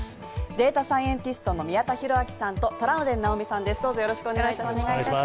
データサイエンティストの宮田裕章さんとトラウデン直美さんです、どうぞよろしくお願いします。